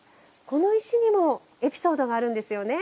この石にもエピソードがあるんですよね？